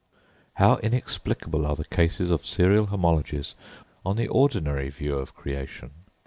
How inexplicable are the cases of serial homologies on the ordinary view of creation!